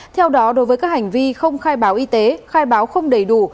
theo đó đối với các hành vi không khai báo y tế khai báo không đầy đủ